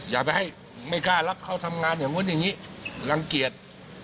อย่าไปให้ไม่กล้ารับเขาทำงานอย่างนู้นอย่างนี้รังเกียจ